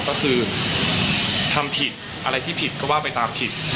ก็คือทำผิดอะไรที่ผิดก็ว่าไปตามผิด